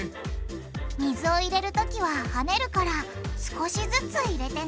水を入れるときははねるから少しずつ入れてね！